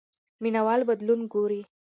مینه وال بدلون ګوري.